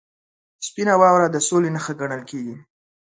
• سپینه واوره د سولې نښه ګڼل کېږي.